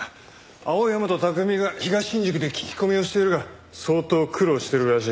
青山と拓海が東新宿で聞き込みをしているが相当苦労してるらしい。